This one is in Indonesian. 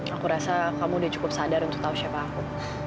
aku rasa kamu udah cukup sadar untuk tahu siapa aku